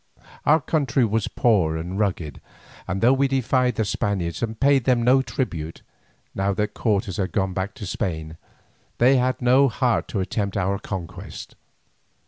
Our country was poor and rugged, and though we defied the Spaniards and paid them no tribute, now that Cortes had gone back to Spain, they had no heart to attempt our conquest.